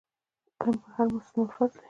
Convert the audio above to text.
علم پر هر مسلمان فرض دی.